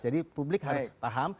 jadi publik harus paham